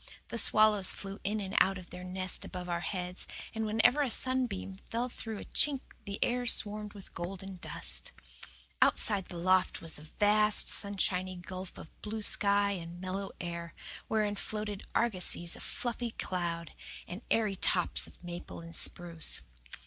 The swallows flew in and out of their nest above our heads, and whenever a sunbeam fell through a chink the air swarmed with golden dust. Outside of the loft was a vast, sunshiny gulf of blue sky and mellow air, wherein floated argosies of fluffy cloud, and airy tops of maple and spruce.